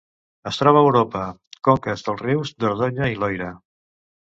Es troba a Europa: conques dels rius Dordonya i Loira.